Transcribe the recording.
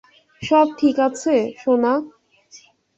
সব ঠিক আছে, সোনা?